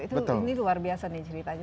itu ini luar biasa nih ceritanya